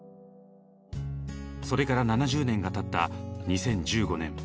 それから７０年がたった２０１５年。